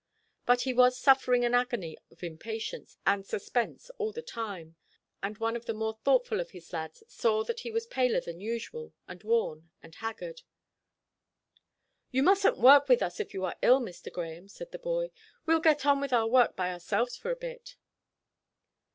But he was suffering an agony of impatience and suspense all the same, and one of the more thoughtful of his lads saw that he was paler than usual, and worn and haggard. "You mustn't work with us if you are ill, Mr. Grahame," said the boy; "we'll get on with our work by ourselves for a bit."